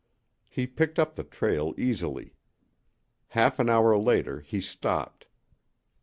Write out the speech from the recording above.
He picked up the trail easily. Half an hour later he stopped.